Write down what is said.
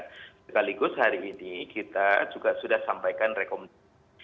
dan sekaligus hari ini kita juga sudah sampaikan rekomendasi